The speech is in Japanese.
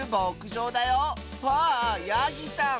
わあヤギさん！